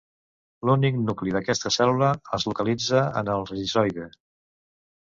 L'únic nucli d'aquesta cèl·lula es localitza en el rizoide.